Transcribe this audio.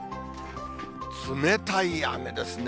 冷たい雨ですね。